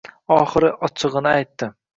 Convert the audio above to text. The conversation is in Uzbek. Oxiri ochig‘ini aytdi.